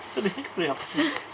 sedih sih keberian